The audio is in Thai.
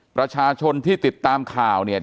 ประชาชนที่ติดตามข่าวเนี่ย